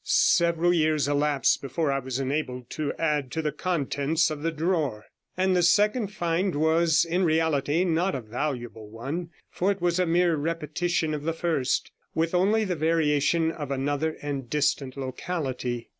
Several years elapsed before I was enabled to add to the contents of the drawer; and the second find was in reality not a valuable one, for it was a mere repetition of the first, with only the variation of another and distant locality.